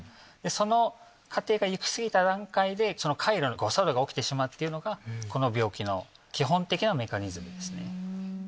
その過程が行き過ぎた段階で。が起きてしまうっていうのがこの病気の基本的なメカニズムですね。